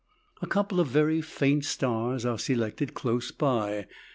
A couple of very faint stars are selected close by.